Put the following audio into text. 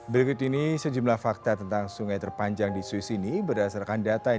berikut ini sejumlah fakta tentang sungai terpanjang di swiss ini berdasarkan data yang